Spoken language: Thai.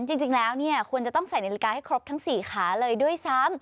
จริงแล้วเนี่ยควรจะต้องใส่นาฬิกาให้ครบทั้ง๔ขาเลยด้วยซ้ำ